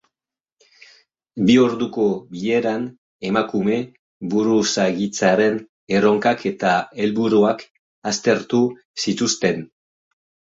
Bi orduko bileran, emakume buruzagitzaren erronkak eta helburuak aztertu zituzten.